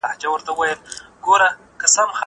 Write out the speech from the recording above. زه له سهاره مړۍ خورم.